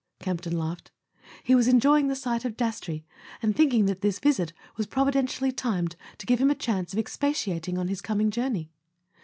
Camp ton laughed. He was enjoying the sight of Dastrey and thinking that this visit was providentially timed to give him a chance of expatiating on his coming jour¬ ney.